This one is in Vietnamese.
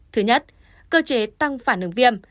thứ nhất cơ chế tăng phản ứng viêm